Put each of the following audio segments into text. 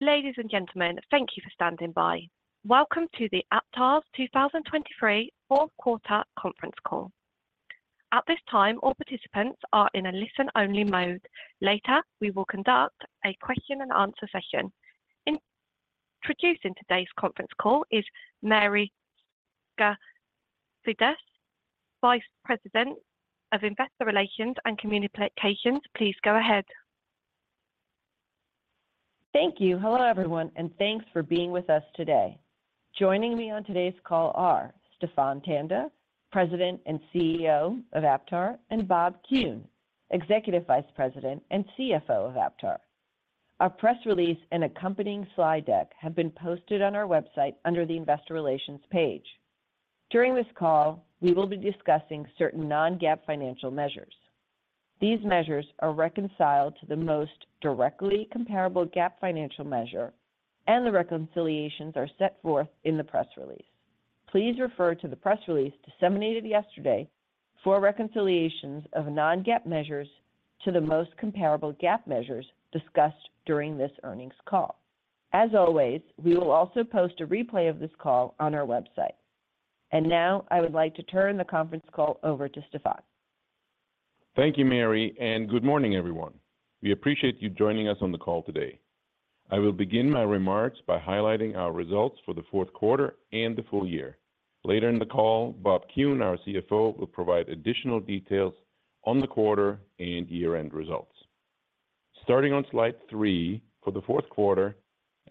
Ladies and gentlemen, thank you for standing by. Welcome to the Aptar's 2023 fourth quarter conference call. At this time, all participants are in a listen-only mode. Later, we will conduct a question-and-answer session. Introducing today's conference call is Mary Skafidas, Vice President of Investor Relations and Communications. Please go ahead. Thank you. Hello everyone, and thanks for being with us today. Joining me on today's call are Stephan Tanda, President and CEO of Aptar, and Bob Kuhn, Executive Vice President and CFO of Aptar. Our press release and accompanying slide deck have been posted on our website under the Investor Relations page. During this call, we will be discussing certain non-GAAP financial measures. These measures are reconciled to the most directly comparable GAAP financial measure, and the reconciliations are set forth in the press release. Please refer to the press release disseminated yesterday for reconciliations of non-GAAP measures to the most comparable GAAP measures discussed during this earnings call. As always, we will also post a replay of this call on our website. And now I would like to turn the conference call over to Stephan. Thank you, Mary, and good morning everyone. We appreciate you joining us on the call today. I will begin my remarks by highlighting our results for the fourth quarter and the full year. Later in the call, Bob Kuhn, our CFO, will provide additional details on the quarter and year-end results. Starting on slide three for the fourth quarter,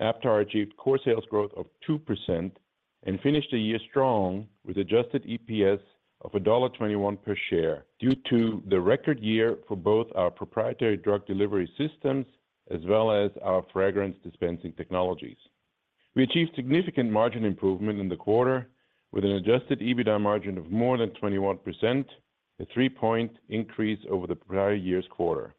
Aptar achieved core sales growth of 2% and finished the year strong with Adjusted EPS of $1.21 per share due to the record year for both our proprietary drug delivery systems as well as our fragrance dispensing technologies. We achieved significant margin improvement in the quarter with an Adjusted EBITDA margin of more than 21%, a 3-point increase over the prior year's quarter.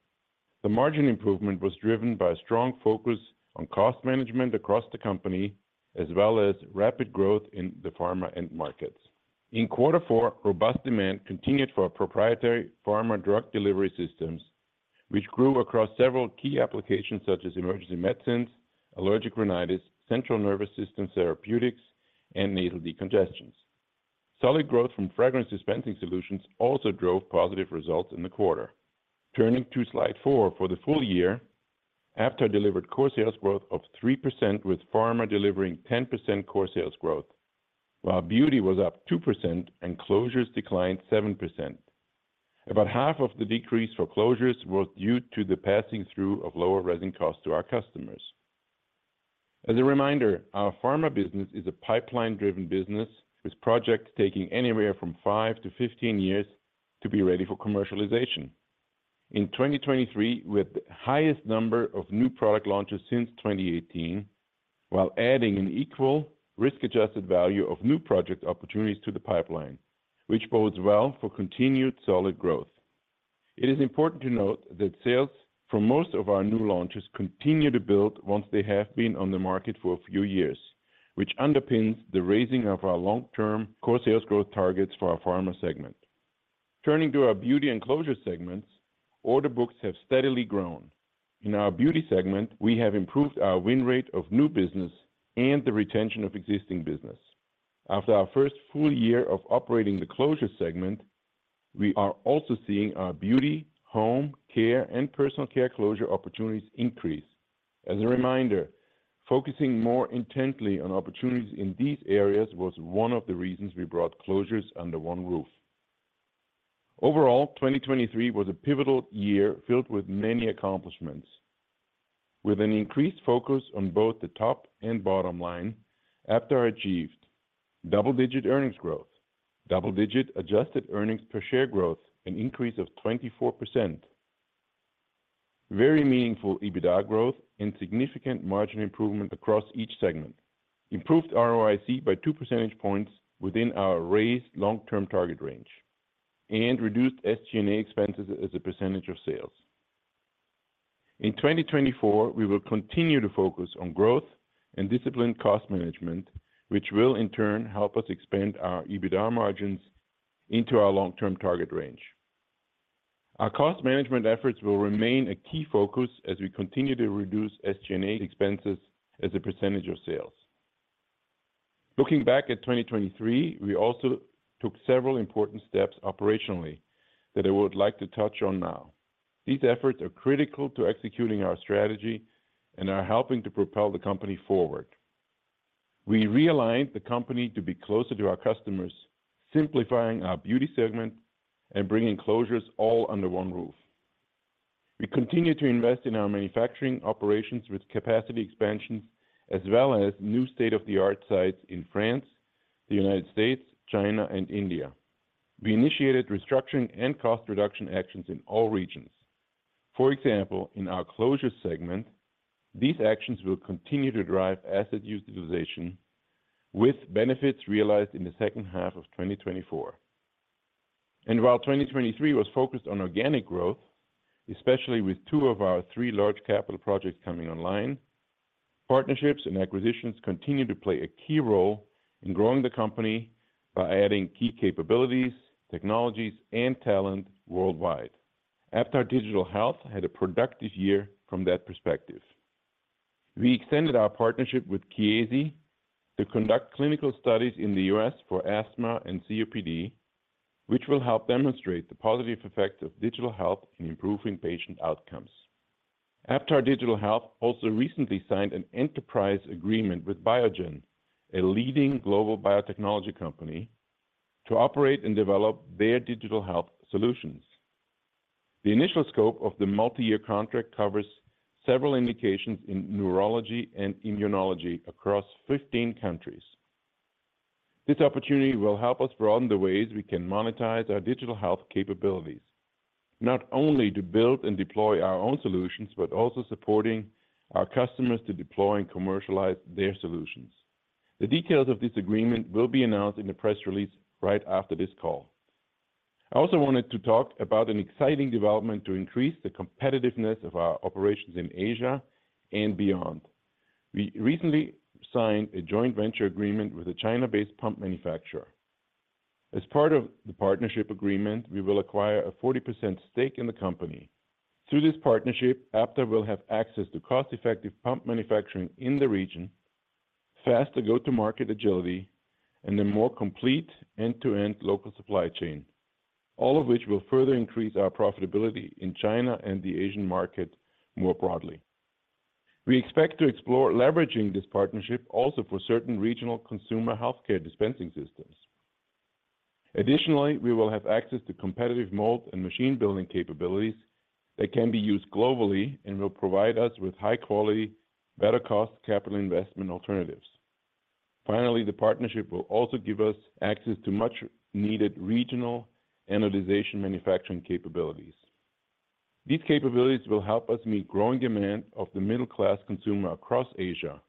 The margin improvement was driven by a strong focus on cost management across the company as well as rapid growth in the pharma end markets. In quarter 4, robust demand continued for our proprietary pharma drug delivery systems, which grew across several key applications such as emergency medicines, allergic rhinitis, central nervous system therapeutics, and nasal decongestants. Solid growth from fragrance dispensing solutions also drove positive results in the quarter. Turning to slide four for the full year, Aptar delivered core sales growth of 3% with pharma delivering 10% core sales growth, while beauty was up 2% and closures declined 7%. About half of the decrease for closures was due to the passing through of lower resin costs to our customers. As a reminder, our pharma business is a pipeline-driven business with projects taking anywhere from 5-15 years to be ready for commercialization. In 2023, we had the highest number of new product launches since 2018, while adding an equal risk-adjusted value of new project opportunities to the pipeline, which bodes well for continued solid growth. It is important to note that sales from most of our new launches continue to build once they have been on the market for a few years, which underpins the raising of our long-term core sales growth targets for our pharma segment. Turning to our beauty and closure segments, order books have steadily grown. In our beauty segment, we have improved our win rate of new business and the retention of existing business. After our first full year of operating the closure segment, we are also seeing our beauty, home, care, and personal care closure opportunities increase. As a reminder, focusing more intently on opportunities in these areas was one of the reasons we brought closures under one roof. Overall, 2023 was a pivotal year filled with many accomplishments. With an increased focus on both the top and bottom line, Aptar achieved: double-digit earnings growth, double-digit adjusted earnings per share growth, an increase of 24%, very meaningful EBITDA growth, and significant margin improvement across each segment, improved ROIC by 2 percentage points within our raised long-term target range, and reduced SG&A expenses as a percentage of sales. In 2024, we will continue to focus on growth and disciplined cost management, which will in turn help us expand our EBITDA margins into our long-term target range. Our cost management efforts will remain a key focus as we continue to reduce SG&A expenses as a percentage of sales. Looking back at 2023, we also took several important steps operationally that I would like to touch on now. These efforts are critical to executing our strategy and are helping to propel the company forward. We realigned the company to be closer to our customers, simplifying our beauty segment and bringing closures all under one roof. We continue to invest in our manufacturing operations with capacity expansions as well as new state-of-the-art sites in France, the United States, China, and India. We initiated restructuring and cost reduction actions in all regions. For example, in our closure segment, these actions will continue to drive asset utilization, with benefits realized in the second half of 2024. And while 2023 was focused on organic growth, especially with two of our three large capital projects coming online, partnerships and acquisitions continue to play a key role in growing the company by adding key capabilities, technologies, and talent worldwide. Aptar Digital Health had a productive year from that perspective. We extended our partnership with Chiesi to conduct clinical studies in the U.S. for asthma and COPD, which will help demonstrate the positive effects of digital health in improving patient outcomes. Aptar Digital Health also recently signed an enterprise agreement with Biogen, a leading global biotechnology company, to operate and develop their digital health solutions. The initial scope of the multi-year contract covers several indications in neurology and immunology across 15 countries. This opportunity will help us broaden the ways we can monetize our digital health capabilities, not only to build and deploy our own solutions but also supporting our customers to deploy and commercialize their solutions. The details of this agreement will be announced in the press release right after this call. I also wanted to talk about an exciting development to increase the competitiveness of our operations in Asia and beyond. We recently signed a joint venture agreement with a China-based pump manufacturer. As part of the partnership agreement, we will acquire a 40% stake in the company. Through this partnership, Aptar will have access to cost-effective pump manufacturing in the region, faster go-to-market agility, and a more complete end-to-end local supply chain, all of which will further increase our profitability in China and the Asian market more broadly. We expect to explore leveraging this partnership also for certain regional consumer healthcare dispensing systems. Additionally, we will have access to competitive mold and machine building capabilities that can be used globally and will provide us with high-quality, better-cost capital investment alternatives. Finally, the partnership will also give us access to much-needed regional anodization manufacturing capabilities. These capabilities will help us meet growing demand of the middle-class consumer across Asia,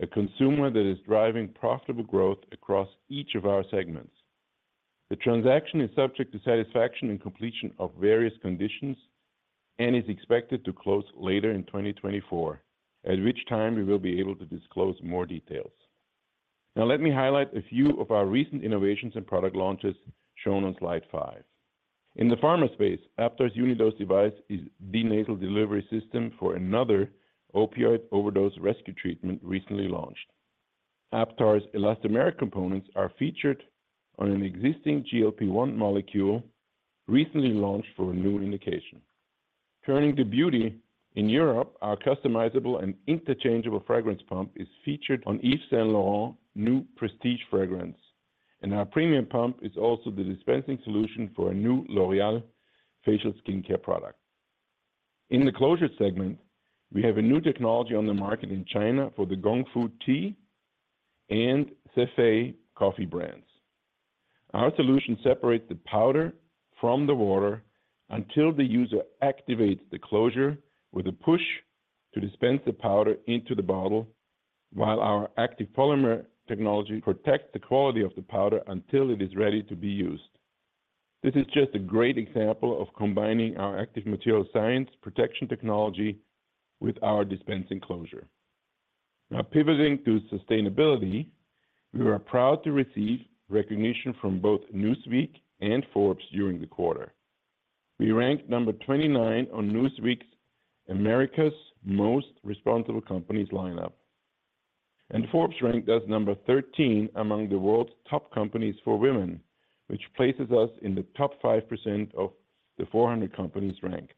a consumer that is driving profitable growth across each of our segments. The transaction is subject to satisfaction and completion of various conditions and is expected to close later in 2024, at which time we will be able to disclose more details. Now let me highlight a few of our recent innovations and product launches shown on slide 5. In the pharma space, Aptar's Unidose device is the nasal delivery system for another opioid overdose rescue treatment recently launched. Aptar's Elastomeric components are featured on an existing GLP-1 molecule recently launched for a new indication. Turning to beauty, in Europe, our customizable and interchangeable fragrance pump is featured on Yves Saint Laurent's new Prestige fragrance, and our premium pump is also the dispensing solution for a new L'Oréal facial skincare product. In the closure segment, we have a new technology on the market in China for the Gongfu tea and CePhe coffee brands. Our solution separates the powder from the water until the user activates the closure with a push to dispense the powder into the bottle, while our active polymer technology protects the quality of the powder until it is ready to be used. This is just a great example of combining our active material science protection technology with our dispensing closure. Now pivoting to sustainability, we were proud to receive recognition from both Newsweek and Forbes during the quarter. We ranked 29 on Newsweek's America's Most Responsible Companies lineup, and Forbes ranked us 13 among the world's top companies for women, which places us in the top 5% of the 400 companies ranked.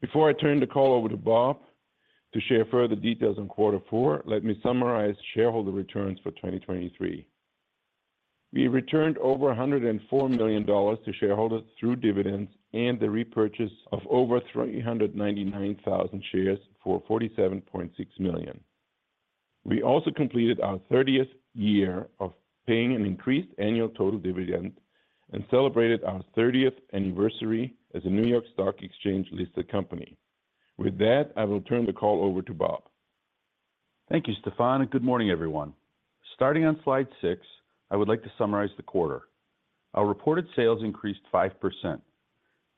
Before I turn the call over to Bob to share further details on quarter 4, let me summarize shareholder returns for 2023. We returned over $104 million to shareholders through dividends and the repurchase of over 399,000 shares for $47.6 million. We also completed our 30th year of paying an increased annual total dividend and celebrated our 30th anniversary as a New York Stock Exchange-listed company. With that, I will turn the call over to Bob. Thank you, Stephan, and good morning everyone. Starting on slide 6, I would like to summarize the quarter. Our reported sales increased 5%.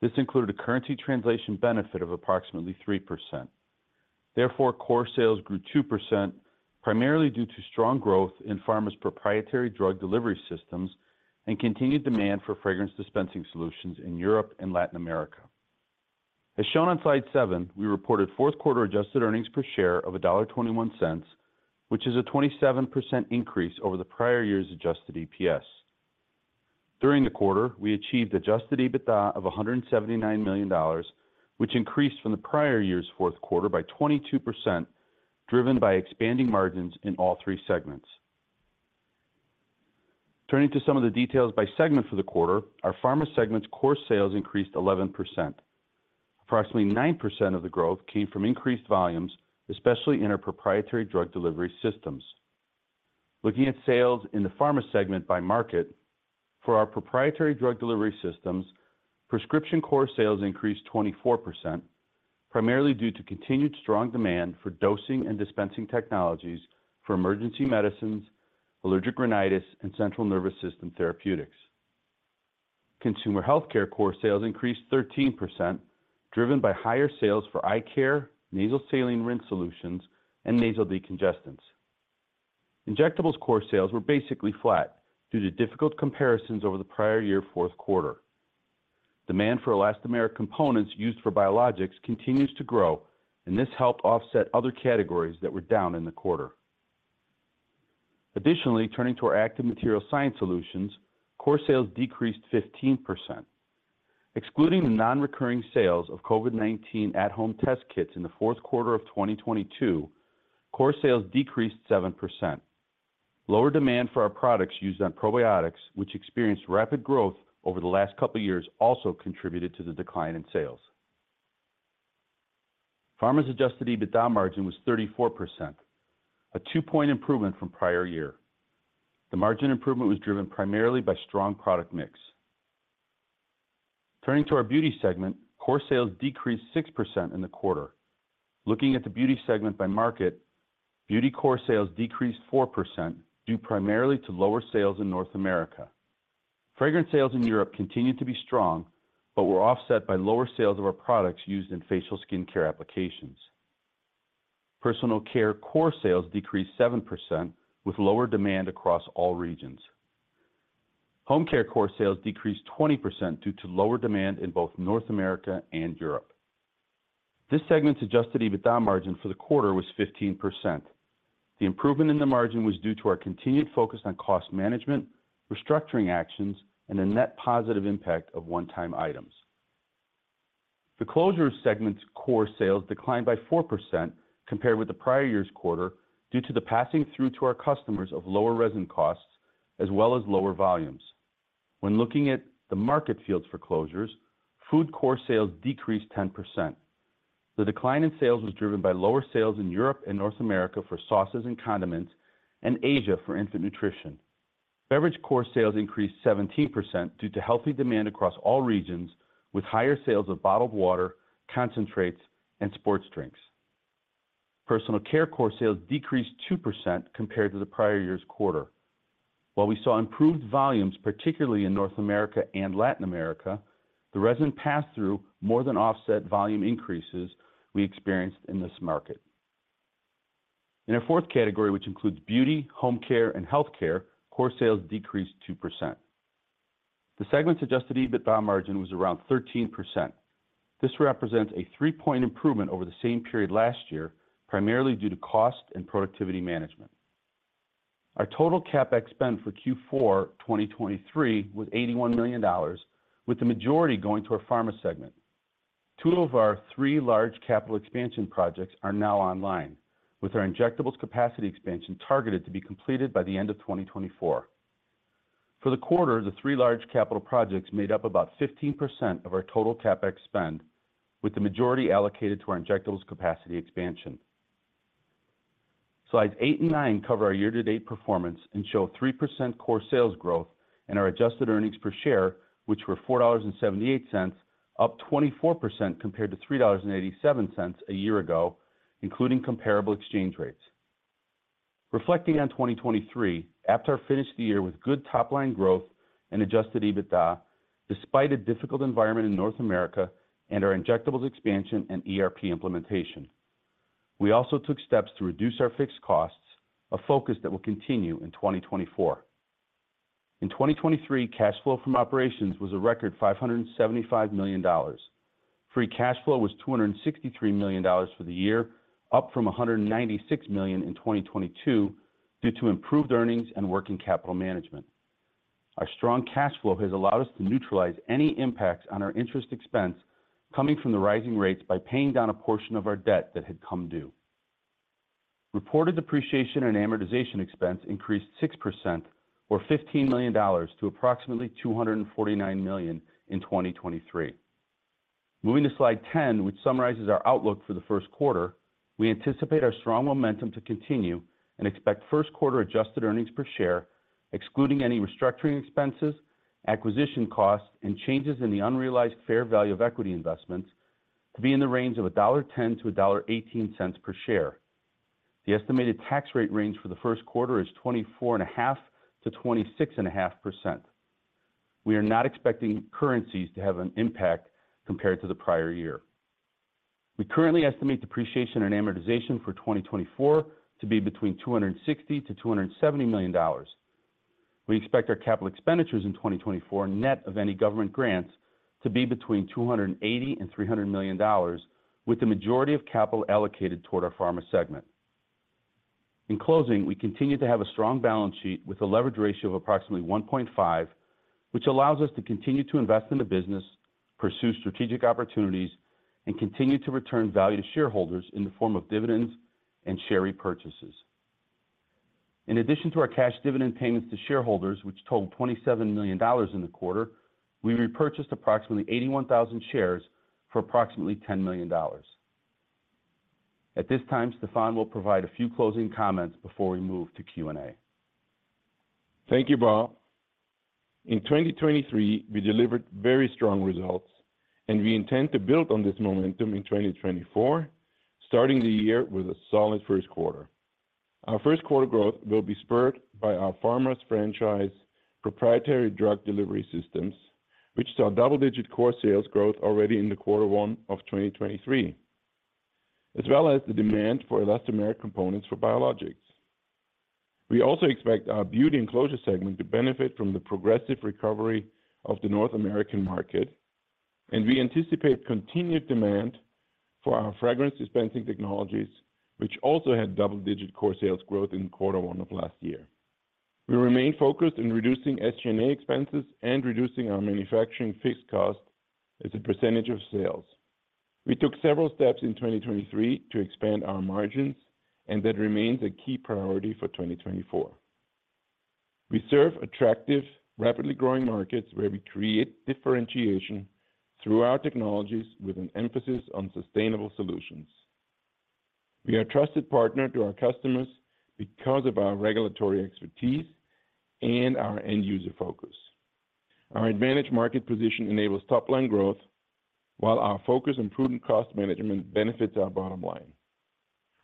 This included a currency translation benefit of approximately 3%. Therefore, core sales grew 2% primarily due to strong growth in pharma's proprietary drug delivery systems and continued demand for fragrance dispensing solutions in Europe and Latin America. As shown on slide 7, we reported fourth-quarter adjusted earnings per share of $1.21, which is a 27% increase over the prior year's Adjusted EPS. During the quarter, we achieved Adjusted EBITDA of $179 million, which increased from the prior year's fourth quarter by 22%, driven by expanding margins in all three segments. Turning to some of the details by segment for the quarter, our pharma segment's core sales increased 11%. Approximately 9% of the growth came from increased volumes, especially in our proprietary drug delivery systems. Looking at sales in the pharma segment by market, for our proprietary drug delivery systems, prescription core sales increased 24%, primarily due to continued strong demand for dosing and dispensing technologies for emergency medicines, allergic rhinitis, and central nervous system therapeutics. Consumer healthcare core sales increased 13%, driven by higher sales for eye care, nasal saline rinse solutions, and nasal decongestants. Injectables core sales were basically flat due to difficult comparisons over the prior year's fourth quarter. Demand for Elastomeric components used for biologics continues to grow, and this helped offset other categories that were down in the quarter. Additionally, turning to our active material science solutions, core sales decreased 15%. Excluding the non-recurring sales of COVID-19 at-home test kits in the fourth quarter of 2022, core sales decreased 7%. Lower demand for our products used on probiotics, which experienced rapid growth over the last couple of years, also contributed to the decline in sales. Pharma's Adjusted EBITDA margin was 34%, a two-point improvement from prior year. The margin improvement was driven primarily by strong product mix. Turning to our beauty segment, core sales decreased 6% in the quarter. Looking at the beauty segment by market, beauty core sales decreased 4% due primarily to lower sales in North America. Fragrance sales in Europe continued to be strong but were offset by lower sales of our products used in facial skincare applications. Personal care core sales decreased 7% with lower demand across all regions. Home care core sales decreased 20% due to lower demand in both North America and Europe. This segment's Adjusted EBITDA margin for the quarter was 15%. The improvement in the margin was due to our continued focus on cost management, restructuring actions, and the net positive impact of one-time items. The closure segment's core sales declined by 4% compared with the prior year's quarter due to the passing through to our customers of lower resin costs as well as lower volumes. When looking at the market fields for closures, food core sales decreased 10%. The decline in sales was driven by lower sales in Europe and North America for sauces and condiments, and Asia for infant nutrition. Beverage core sales increased 17% due to healthy demand across all regions with higher sales of bottled water, concentrates, and sports drinks. Personal care core sales decreased 2% compared to the prior year's quarter. While we saw improved volumes, particularly in North America and Latin America, the resin pass-through more than offset volume increases we experienced in this market. In our fourth category, which includes beauty, home care, and healthcare, core sales decreased 2%. The segment's Adjusted EBITDA margin was around 13%. This represents a three-point improvement over the same period last year, primarily due to cost and productivity management. Our total CapEx spend for Q4 2023 was $81 million, with the majority going to our pharma segment. Two of our three large capital expansion projects are now online, with our injectables capacity expansion targeted to be completed by the end of 2024. For the quarter, the three large capital projects made up about 15% of our total CapEx spend, with the majority allocated to our injectables capacity expansion. Slides eight and nine cover our year-to-date performance and show 3% core sales growth and our adjusted earnings per share, which were $4.78, up 24% compared to $3.87 a year ago, including comparable exchange rates. Reflecting on 2023, Aptar finished the year with good top-line growth and Adjusted EBITDA despite a difficult environment in North America and our injectables expansion and ERP implementation. We also took steps to reduce our fixed costs, a focus that will continue in 2024. In 2023, cash flow from operations was a record $575 million. Free cash flow was $263 million for the year, up from $196 million in 2022 due to improved earnings and working capital management. Our strong cash flow has allowed us to neutralize any impacts on our interest expense coming from the rising rates by paying down a portion of our debt that had come due. Reported depreciation and amortization expense increased 6%, or $15 million, to approximately $249 million in 2023. Moving to slide 10, which summarizes our outlook for the first quarter, we anticipate our strong momentum to continue and expect first-quarter adjusted earnings per share, excluding any restructuring expenses, acquisition costs, and changes in the unrealized fair value of equity investments, to be in the range of $1.10-$1.18 per share. The estimated tax rate range for the first quarter is 24.5%-26.5%. We are not expecting currencies to have an impact compared to the prior year. We currently estimate depreciation and amortization for 2024 to be between $260-$270 million. We expect our capital expenditures in 2024, net of any government grants, to be between $280 and $300 million, with the majority of capital allocated toward our pharma segment. In closing, we continue to have a strong balance sheet with a leverage ratio of approximately 1.5, which allows us to continue to invest in the business, pursue strategic opportunities, and continue to return value to shareholders in the form of dividends and share repurchases. In addition to our cash dividend payments to shareholders, which totaled $27 million in the quarter, we repurchased approximately 81,000 shares for approximately $10 million. At this time, Stephan will provide a few closing comments before we move to Q&A. Thank you, Bob. In 2023, we delivered very strong results, and we intend to build on this momentum in 2024, starting the year with a solid first quarter. Our first quarter growth will be spurred by our Pharma's franchise proprietary drug delivery systems, which saw double-digit core sales growth already in the quarter 1 of 2023, as well as the demand for Elastomeric components for biologics. We also expect our beauty and closure segment to benefit from the progressive recovery of the North American market, and we anticipate continued demand for our fragrance dispensing technologies, which also had double-digit core sales growth in quarter 1 of last year. We remain focused on reducing SG&A expenses and reducing our manufacturing fixed cost as a percentage of sales. We took several steps in 2023 to expand our margins, and that remains a key priority for 2024. We serve attractive, rapidly growing markets where we create differentiation through our technologies with an emphasis on sustainable solutions. We are a trusted partner to our customers because of our regulatory expertise and our end-user focus. Our advantaged market position enables top-line growth, while our focus on prudent cost management benefits our bottom line.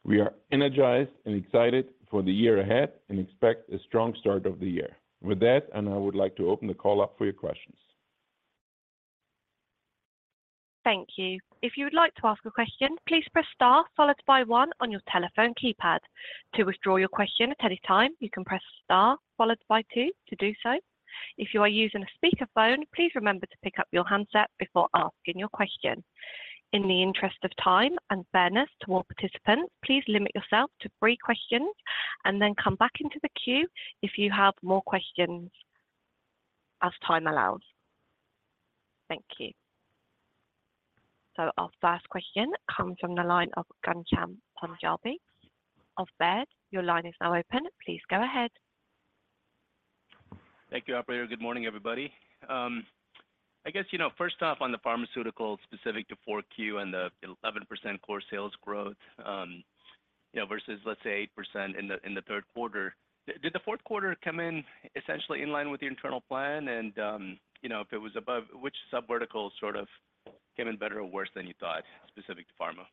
We are energized and excited for the year ahead and expect a strong start of the year. With that, I now would like to open the call up for your questions. Thank you. If you would like to ask a question, please press star followed by one on your telephone keypad. To withdraw your question at any time, you can press star followed by two to do so. If you are using a speakerphone, please remember to pick up your handset before asking your question. In the interest of time and fairness toward participants, please limit yourself to three questions and then come back into the queue if you have more questions as time allows. Thank you. Our first question comes from the line of Ghansham Panjabi of Baird. Your line is now open. Please go ahead. Thank you, Aptar. Good morning, everybody. I guess, first off, on the pharmaceuticals specific to 4Q and the 11% core sales growth versus, let's say, 8% in the third quarter, did the fourth quarter come in essentially in line with your internal plan? If it was above, which subverticals sort of came in better or worse than you thought, specific to pharma?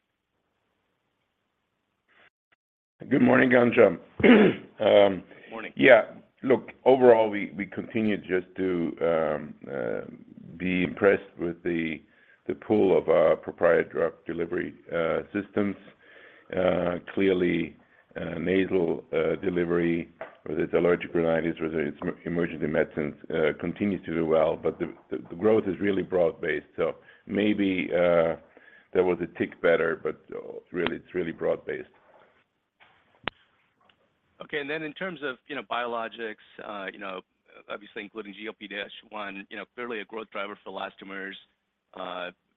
Good morning, Ghansham. Good morning. Yeah. Look, overall, we continue just to be impressed with the pull of our proprietary drug delivery systems. Clearly, nasal delivery, whether it's allergic rhinitis or whether it's emergency medicines, continues to do well, but the growth is really broad-based. So maybe that was a tick better, but really, it's really broad-based. Okay. And then in terms of biologics, obviously including GLP-1, clearly a growth driver for Elastomers,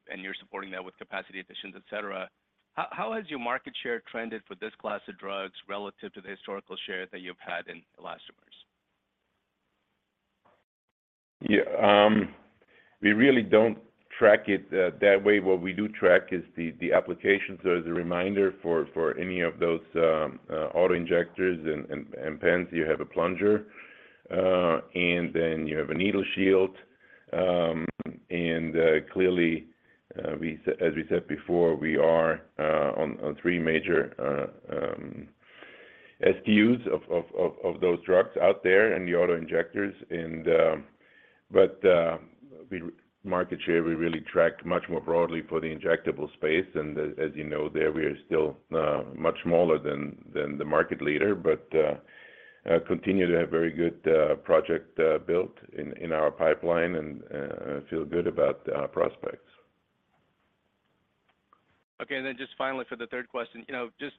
and you're supporting that with capacity additions, etc. How has your market share trended for this class of drugs relative to the historical share that you've had in Elastomers? Yeah. We really don't track it that way. What we do track is the applications. So as a reminder for any of those auto injectors and pens, you have a plunger, and then you have a needle shield. And clearly, as we said before, we are on three major SKUs of those drugs out there and the auto injectors. But market share, we really track much more broadly for the injectable space. And as you know, there, we are still much smaller than the market leader, but continue to have very good project built in our pipeline and feel good about prospects. Okay. And then just finally, for the third question, just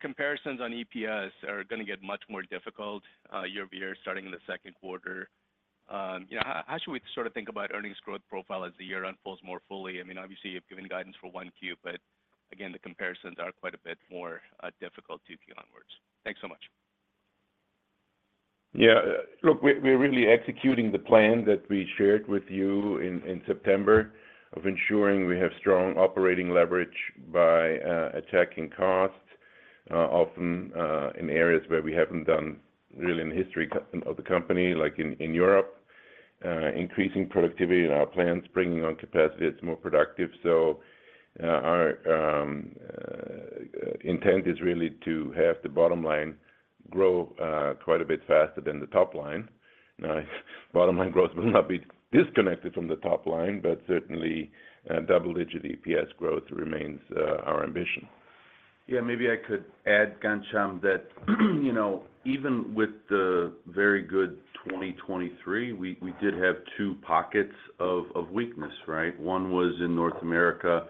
comparisons on EPS are going to get much more difficult year-over-year starting in the second quarter. How should we sort of think about earnings growth profile as the year unfolds more fully? I mean, obviously, you've given guidance for 1Q, but again, the comparisons are quite a bit more difficult 2Q onwards. Thanks so much. Yeah. Look, we're really executing the plan that we shared with you in September of ensuring we have strong operating leverage by attacking costs, often in areas where we haven't done really in the history of the company, like in Europe, increasing productivity in our plans, bringing on capacity that's more productive. So our intent is really to have the bottom line grow quite a bit faster than the top line. Now, bottom line growth will not be disconnected from the top line, but certainly, double-digit EPS growth remains our ambition. Yeah. Maybe I could add, Ghansham, that even with the very good 2023, we did have two pockets of weakness, right? One was in North America,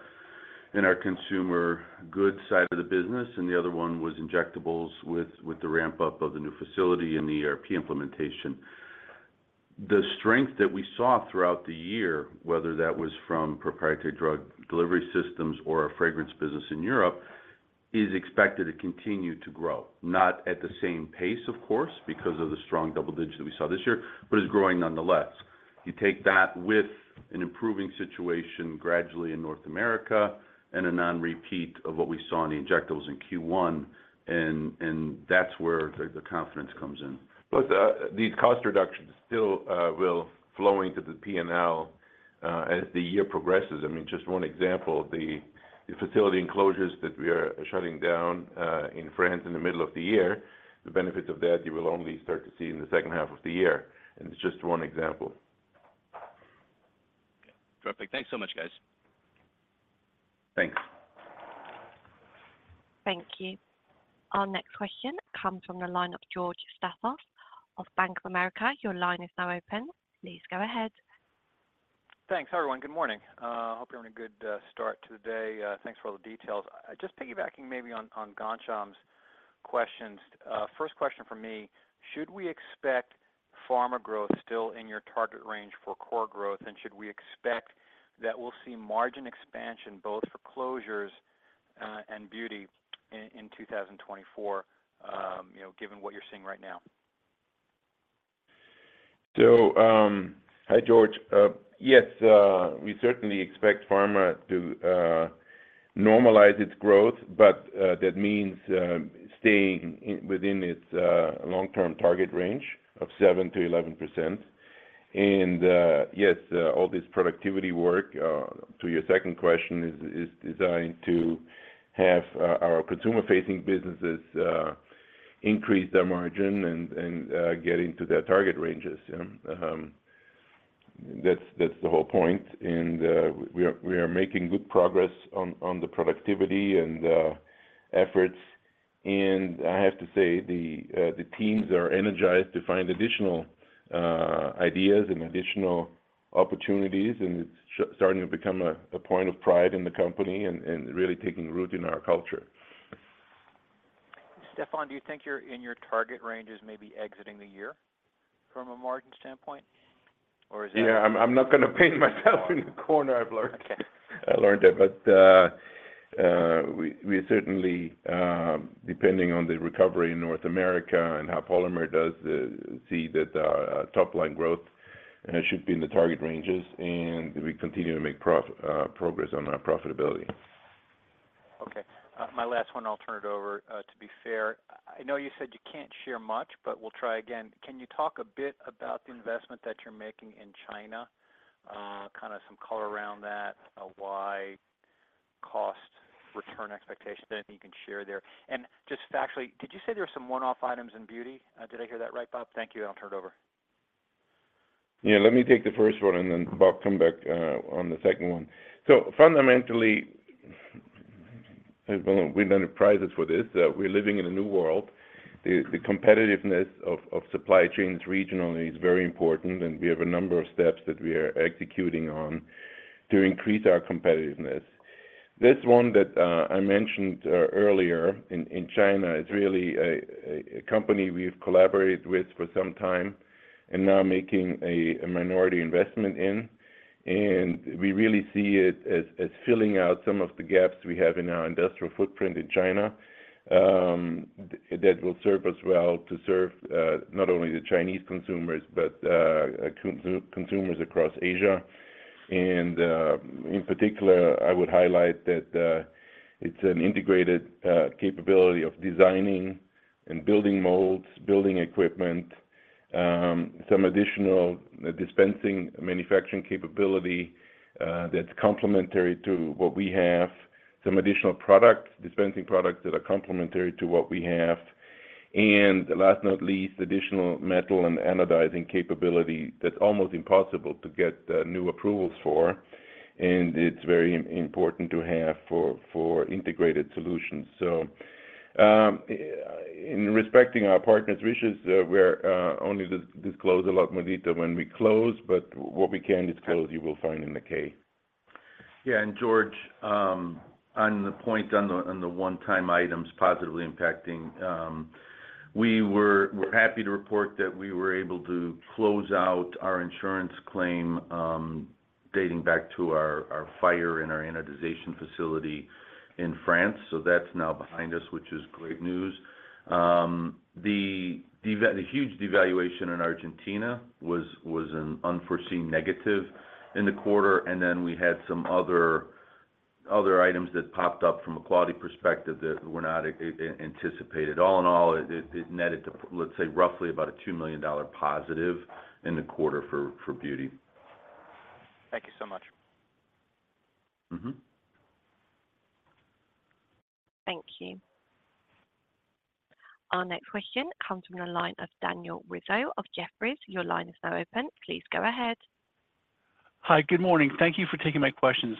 in our consumer goods side of the business, and the other one was injectables with the ramp-up of the new facility and the ERP implementation. The strength that we saw throughout the year, whether that was from proprietary drug delivery systems or our fragrance business in Europe, is expected to continue to grow. Not at the same pace, of course, because of the strong double-digit that we saw this year, but it's growing nonetheless. You take that with an improving situation gradually in North America and a non-repeat of what we saw in the injectables in Q1, and that's where the confidence comes in. Plus, these cost reductions still will flow into the P&L as the year progresses. I mean, just one example, the facility enclosures that we are shutting down in France in the middle of the year, the benefits of that, you will only start to see in the second half of the year. And it's just one example. Yeah. Perfect. Thanks so much, guys. Thanks. Thank you. Our next question comes from the line of George Staphos of Bank of America. Your line is now open. Please go ahead. Thanks, everyone. Good morning. Hope you're having a good start to the day. Thanks for all the details. Just piggybacking maybe on Ghansham's questions, first question from me, should we expect pharma growth still in your target range for core growth, and should we expect that we'll see margin expansion both for closures and beauty in 2024, given what you're seeing right now? Hi, George. Yes, we certainly expect pharma to normalize its growth, but that means staying within its long-term target range of 7%-11%. Yes, all this productivity work, to your second question, is designed to have our consumer-facing businesses increase their margin and get into their target ranges. That's the whole point. We are making good progress on the productivity and efforts. I have to say, the teams are energized to find additional ideas and additional opportunities, and it's starting to become a point of pride in the company and really taking root in our culture. Stephan, do you think you're in your target ranges maybe exiting the year from a margin standpoint, or is that? Yeah. I'm not going to paint myself in the corner. I've learned that. But we certainly, depending on the recovery in North America and how Polymer does, see that top-line growth should be in the target ranges, and we continue to make progress on our profitability. Okay. My last one, I'll turn it over. To be fair, I know you said you can't share much, but we'll try again. Can you talk a bit about the investment that you're making in China, kind of some color around that, why cost return expectations, anything you can share there? And just factually, did you say there were some one-off items in beauty? Did I hear that right, Bob? Thank you. And I'll turn it over. Yeah. Let me take the first one, and then Bob, come back on the second one. So fundamentally, we've done the pricing for this. We're living in a new world. The competitiveness of supply chains regionally is very important, and we have a number of steps that we are executing on to increase our competitiveness. This one that I mentioned earlier in China is really a company we've collaborated with for some time and now making a minority investment in. And we really see it as filling out some of the gaps we have in our industrial footprint in China that will serve us well to serve not only the Chinese consumers but consumers across Asia. In particular, I would highlight that it's an integrated capability of designing and building molds, building equipment, some additional dispensing manufacturing capability that's complementary to what we have, some additional dispensing products that are complementary to what we have, and last but not least, additional metal and anodizing capability that's almost impossible to get new approvals for. It's very important to have for integrated solutions. In respecting our partners' wishes, we're only disclose a lot more detail when we close, but what we can disclose, you will find in the K. Yeah. And George, on the point on the one-time items positively impacting, we're happy to report that we were able to close out our insurance claim dating back to our fire in our anodization facility in France. So that's now behind us, which is great news. The huge devaluation in Argentina was an unforeseen negative in the quarter, and then we had some other items that popped up from a quality perspective that were not anticipated. All in all, it netted to, let's say, roughly about a $2 million positive in the quarter for beauty. Thank you so much. Thank you. Our next question comes from the line of Daniel Rizzo of Jefferies. Your line is now open. Please go ahead. Hi. Good morning. Thank you for taking my questions.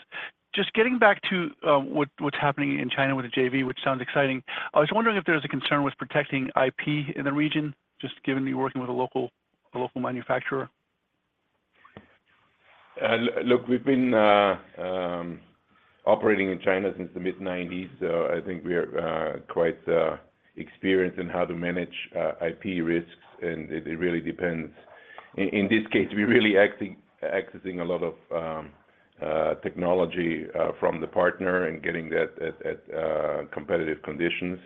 Just getting back to what's happening in China with the JV, which sounds exciting, I was wondering if there's a concern with protecting IP in the region, just given you're working with a local manufacturer? Look, we've been operating in China since the mid-1990s, so I think we are quite experienced in how to manage IP risks, and it really depends. In this case, we're really accessing a lot of technology from the partner and getting that at competitive conditions.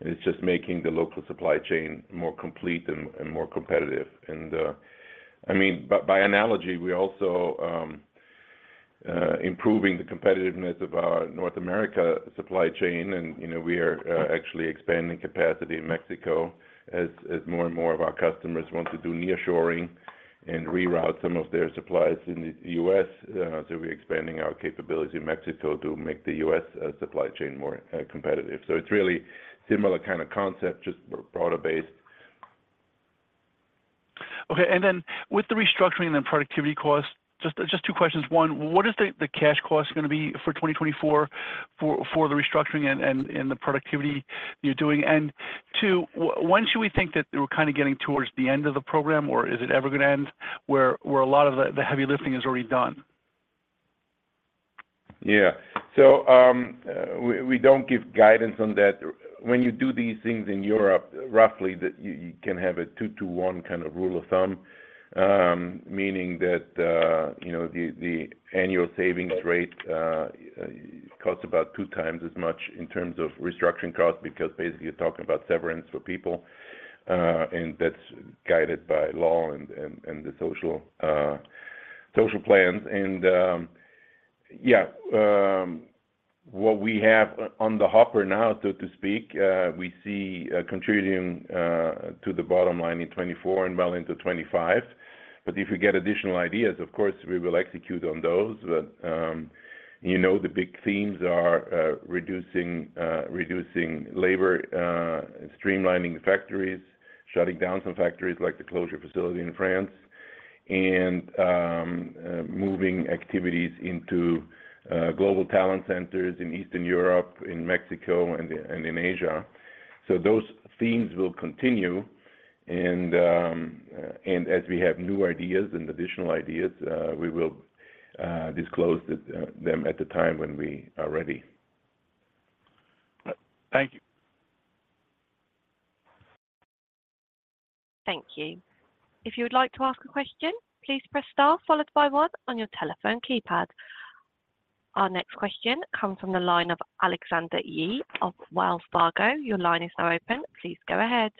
It's just making the local supply chain more complete and more competitive. I mean, by analogy, we're also improving the competitiveness of our North America supply chain, and we are actually expanding capacity in Mexico as more and more of our customers want to do nearshoring and reroute some of their supplies in the U.S. We're expanding our capabilities in Mexico to make the U.S. supply chain more competitive. It's really a similar kind of concept, just broader-based. Okay. And then with the restructuring and the productivity costs, just two questions. One, what is the cash cost going to be for 2024 for the restructuring and the productivity you're doing? And two, when should we think that we're kind of getting towards the end of the program, or is it ever going to end where a lot of the heavy lifting is already done? Yeah. So we don't give guidance on that. When you do these things in Europe, roughly, you can have a 2-to-1 kind of rule of thumb, meaning that the annual savings rate costs about 2x as much in terms of restructuring costs because basically, you're talking about severance for people, and that's guided by law and the social plans. And yeah, what we have on the hopper now, so to speak, we see contributing to the bottom line in 2024 and well into 2025. But if we get additional ideas, of course, we will execute on those. But the big themes are reducing labor, streamlining factories, shutting down some factories like the closure facility in France, and moving activities into global talent centers in Eastern Europe, in Mexico, and in Asia. So those themes will continue. As we have new ideas and additional ideas, we will disclose them at the time when we are ready. Thank you. Thank you. If you would like to ask a question, please press star followed by one on your telephone keypad. Our next question comes from the line of Alexander Yee of Wells Fargo. Your line is now open. Please go ahead.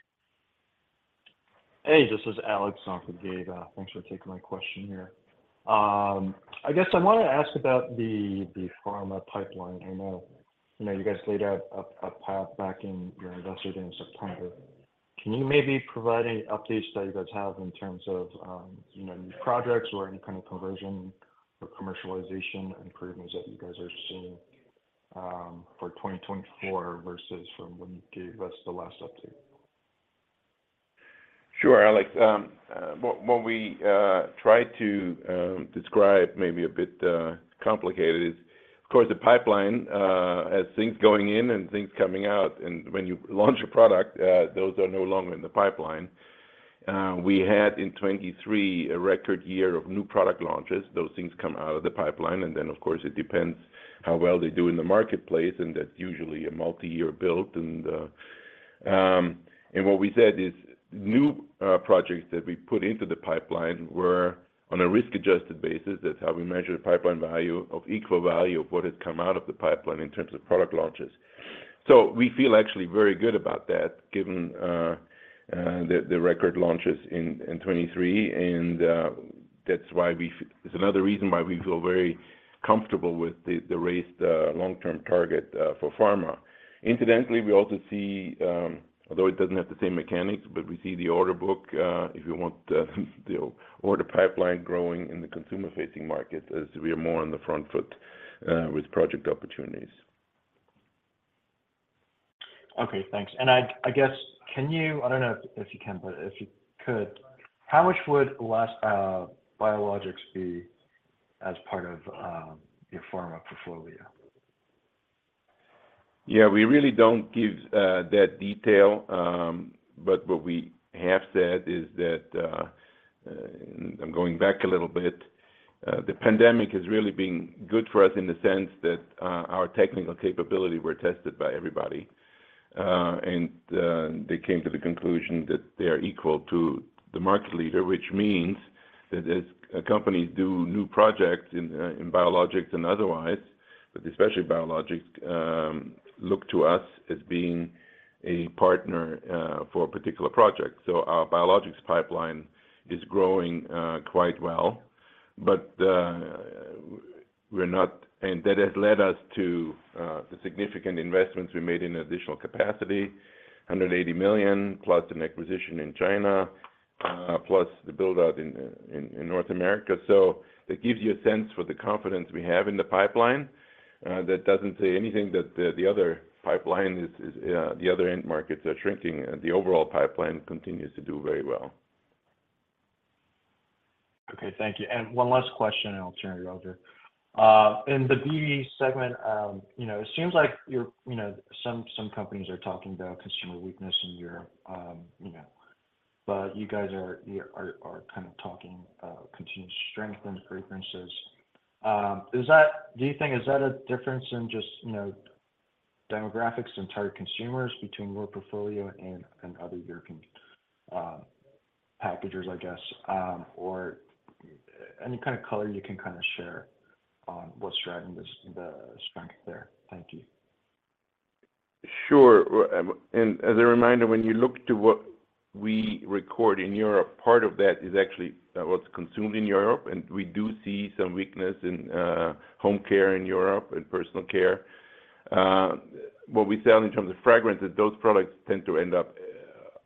Hey. This is Alex Theodorakis. Thanks for taking my question here. I guess I want to ask about the pharma pipeline. I know you guys laid out a path back in your investor day in September. Can you maybe provide any updates that you guys have in terms of new projects or any kind of conversion or commercialization improvements that you guys are seeing for 2024 versus from when you gave us the last update? Sure, Alex. What we tried to describe, maybe a bit complicated, is, of course, the pipeline has things going in and things coming out. And when you launch a product, those are no longer in the pipeline. We had, in 2023, a record year of new product launches. Those things come out of the pipeline. And then, of course, it depends how well they do in the marketplace, and that's usually a multi-year build. And what we said is new projects that we put into the pipeline were on a risk-adjusted basis. That's how we measure the pipeline value of equal value of what has come out of the pipeline in terms of product launches. So we feel actually very good about that, given the record launches in 2023. And that's another reason why we feel very comfortable with the raised long-term target for pharma. Incidentally, we also see, although it doesn't have the same mechanics, but we see the order book, if you want, the order pipeline growing in the consumer-facing markets as we are more on the front foot with project opportunities. Okay. Thanks. And I guess, can you, I don't know if you can, but if you could, how much would biologics be as part of your pharma portfolio? Yeah. We really don't give that detail, but what we have said is that, and I'm going back a little bit. The pandemic has really been good for us in the sense that our technical capability were tested by everybody, and they came to the conclusion that they are equal to the market leader, which means that as companies do new projects in biologics and otherwise, but especially biologics, look to us as being a partner for a particular project. So our biologics pipeline is growing quite well, but we're not, and that has led us to the significant investments we made in additional capacity, $180 million plus an acquisition in China plus the buildout in North America. So that gives you a sense for the confidence we have in the pipeline. That doesn't say anything that the other pipeline is the other end markets are shrinking. The overall pipeline continues to do very well. Okay. Thank you. And one last question, and I'll turn it over. In the BV segment, it seems like some companies are talking about consumer weakness in Europe, but you guys are kind of talking continued strength and preferences. Do you think is that a difference in just demographics and target consumers between your portfolio and other European packagers, I guess, or any kind of color you can kind of share on what's driving the strength there? Thank you. Sure. As a reminder, when you look to what we record in Europe, part of that is actually what's consumed in Europe. We do see some weakness in home care in Europe and personal care. What we sell in terms of fragrance is those products tend to end up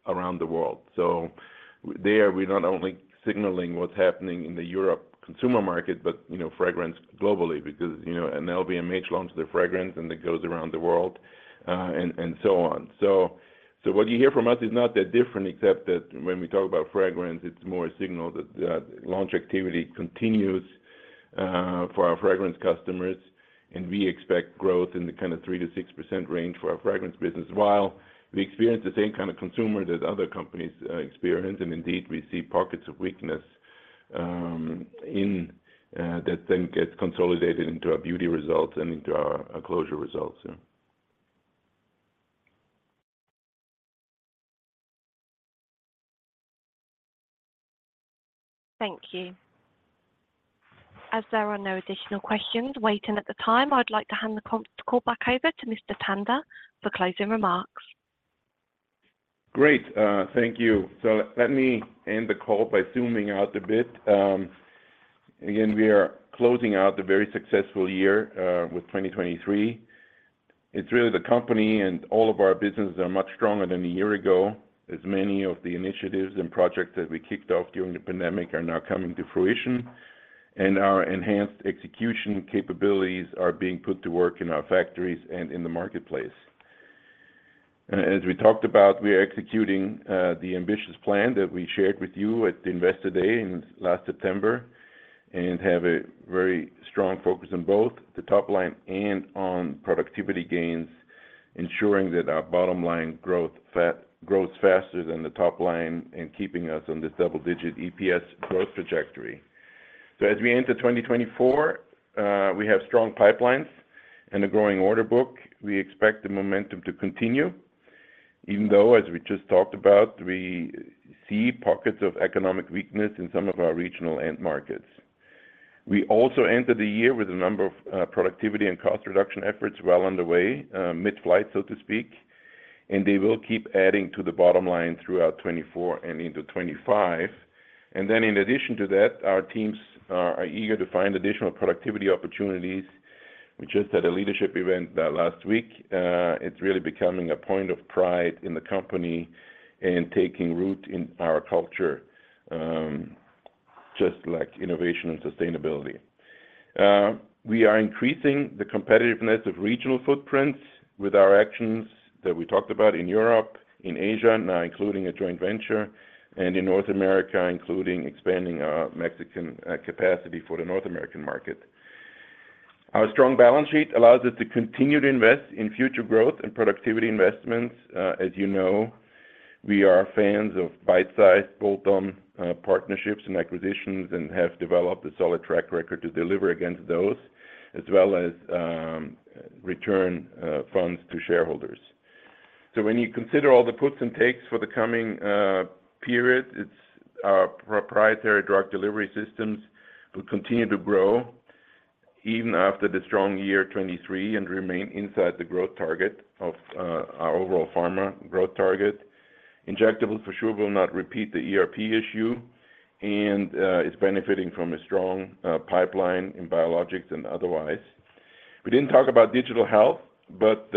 around the world. So there, we're not only signaling what's happening in the Europe consumer market, but fragrance globally because an LVMH launches their fragrance, and it goes around the world and so on. So what you hear from us is not that different, except that when we talk about fragrance, it's more a signal that launch activity continues for our fragrance customers, and we expect growth in the kind of 3%-6% range for our fragrance business while we experience the same kind of consumer that other companies experience. Indeed, we see pockets of weakness that then gets consolidated into our beauty results and into our closure results. Thank you. As there are no additional questions waiting at the time, I'd like to hand the call back over to Mr. Tanda for closing remarks. Great. Thank you. So let me end the call by zooming out a bit. Again, we are closing out a very successful year with 2023. It's really the company and all of our businesses are much stronger than a year ago. As many of the initiatives and projects that we kicked off during the pandemic are now coming to fruition, and our enhanced execution capabilities are being put to work in our factories and in the marketplace. As we talked about, we are executing the ambitious plan that we shared with you at the investor day in last September and have a very strong focus on both the top line and on productivity gains, ensuring that our bottom line grows faster than the top line and keeping us on this double-digit EPS growth trajectory. So as we enter 2024, we have strong pipelines and a growing order book. We expect the momentum to continue, even though, as we just talked about, we see pockets of economic weakness in some of our regional end markets. We also entered the year with a number of productivity and cost reduction efforts well underway, mid-flight, so to speak, and they will keep adding to the bottom line throughout 2024 and into 2025. And then in addition to that, our teams are eager to find additional productivity opportunities. We just had a leadership event last week. It's really becoming a point of pride in the company and taking root in our culture, just like innovation and sustainability. We are increasing the competitiveness of regional footprints with our actions that we talked about in Europe, in Asia, now including a joint venture, and in North America, including expanding our Mexican capacity for the North American market. Our strong balance sheet allows us to continue to invest in future growth and productivity investments. As you know, we are fans of bite-sized, bolt-on partnerships and acquisitions and have developed a solid track record to deliver against those, as well as return funds to shareholders. So when you consider all the puts and takes for the coming period, our proprietary drug delivery systems will continue to grow even after the strong year 2023 and remain inside the growth target of our overall pharma growth target. Injectables, for sure, will not repeat the ERP issue, and it's benefiting from a strong pipeline in biologics and otherwise. We didn't talk about digital health, but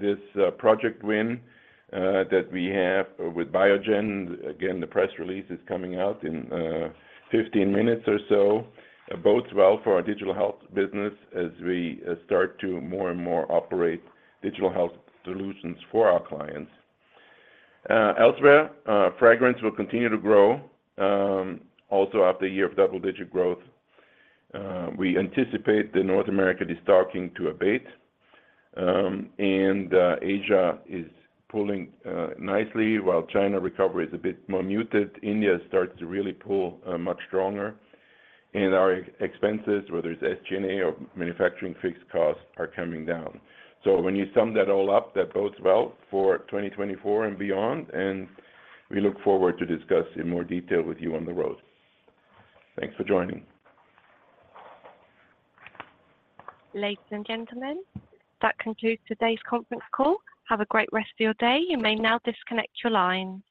this project win that we have with Biogen, again, the press release is coming out in 15 minutes or so, bodes well for our digital health business as we start to more and more operate digital health solutions for our clients. Elsewhere, fragrance will continue to grow also after a year of double-digit growth. We anticipate that North America is starting to abate, and Asia is pulling nicely while China recovery is a bit more muted. India starts to really pull much stronger, and our expenses, whether it's SG&A or manufacturing fixed costs, are coming down. So when you sum that all up, that bodes well for 2024 and beyond, and we look forward to discussing in more detail with you on the road. Thanks for joining. Ladies and gentlemen, that concludes today's conference call. Have a great rest of your day. You may now disconnect your lines.